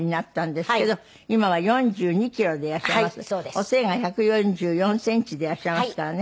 お背が１４４センチでいらっしゃいますからね。